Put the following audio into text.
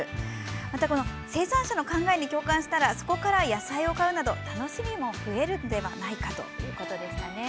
また、生産者の考えに共感したらそこから野菜を買うなど楽しみも増えるのではないかということでした。